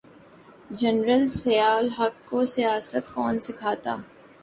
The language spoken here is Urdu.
جنرل ضیاء الحق کو سیاست کون سکھاتا۔